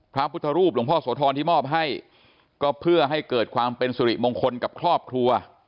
พระพุทธรูปหลวงพ่อโสธรที่มอบให้ก็เพื่อให้เกิดความเป็นสุริมงคลกับครอบครัว